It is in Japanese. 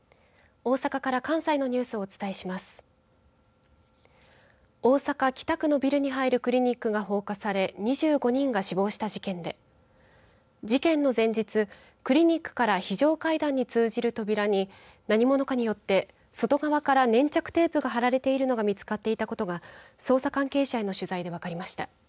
大阪北区のビルに入るクリニックが放火され２５人が死亡した事件で事件の前日クリニックから非常階段に通じる扉に何者かによって外側から粘着テープが貼られているのが見つかっていたことが捜査関係者への取材で分かりました。